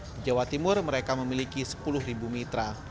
di jawa timur mereka memiliki sepuluh mitra